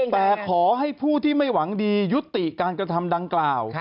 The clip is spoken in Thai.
แต่ขอให้ผู้ที่ไม่หวังดียุติการกระทำดังกล่าว